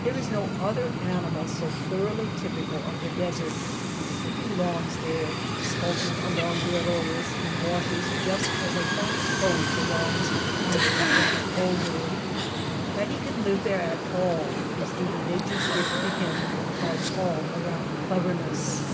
There is no other animal so thoroughly typical of the desert. He belongs there, skulking along the arroyos and washes just as a horned toad belongs under a granite bowlder. That he can live there at all is due to Nature^s gift to him of all around clev erness.